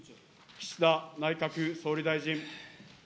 岸田内閣総理大臣。